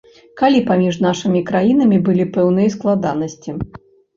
Калі паміж нашымі краінамі былі пэўныя складанасці.